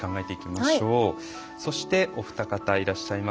そしてお二方いらっしゃいます。